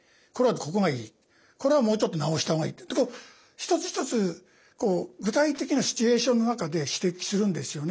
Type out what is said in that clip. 「これはもうちょっと直した方がいい」ってことを一つ一つ具体的なシチュエーションの中で指摘するんですよね。